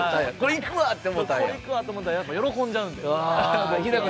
これいくわと思ったら喜んじゃうんで。